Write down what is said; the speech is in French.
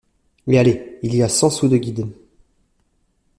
Et allez, il y a cent sous de guides.